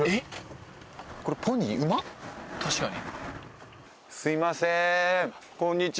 確かに。